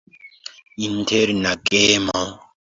Interna gemo.